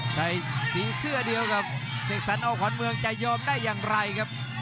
สีเสื้อเดียวกับเสกสรรอขวานเมืองจะยอมได้อย่างไรครับ